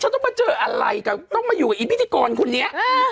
ฉันต้องมาเจออะไรกะต้องมาอยู่กับพี่พิธีกรคุณเนี่ย